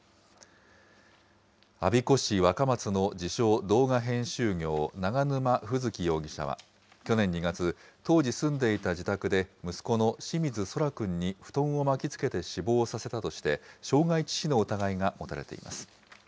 我孫子市若松の自称、動画編集業、永沼楓月容疑者は去年２月、当時住んでいた自宅で、息子の清水奏良くんに布団を巻きつけて死亡させたとして、傷害致死の疑いが持たれています。